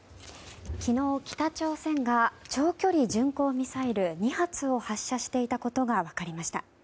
昨日、北朝鮮が長距離巡航ミサイル２発を発射していたことが分かりました。